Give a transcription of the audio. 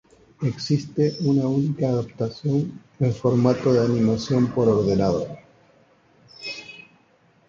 Existe una única adaptación en formato de animación por ordenador.